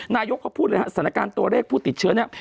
นายกเขาพูดเลยฮะสถานการณ์ตัวเลขผู้ติดเชื้อเนี่ย